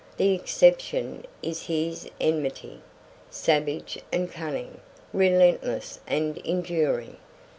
The exception is his enmity, savage and cunning, relentless and enduring.